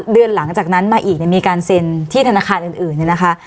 เดือนหลังจากนั้นมาอีกมีการเซ็นที่ธนาคารอื่นเนี่ยนะคะ